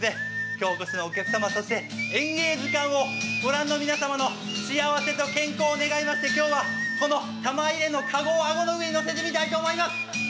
今日お越しのお客様そして「演芸図鑑」をご覧の皆様の幸せと健康を願いまして今日はこの玉入れの籠を顎の上に載せてみたいと思います。